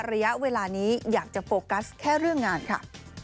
ระยะเวลานี้อยากจะโฟกัสแค่เรื่องงานค่ะ